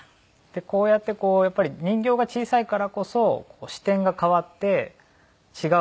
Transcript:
でこうやってこうやっぱり人形が小さいからこそ視点が変わって違う見立てになるんですよね。